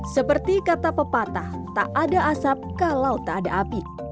seperti kata pepatah tak ada asap kalau tak ada api